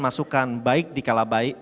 masukan baik dikala baik